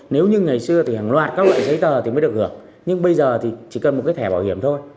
nếu như ngày xưa thì hàng loạt các loại giấy tờ thì mới được hưởng nhưng bây giờ thì chỉ cần một cái thẻ bảo hiểm thôi